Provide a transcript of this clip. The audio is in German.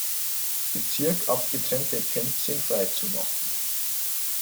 Bezirk abgetrennte Penzing freizumachen.